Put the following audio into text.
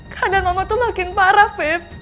keadaan mama tuh makin parah five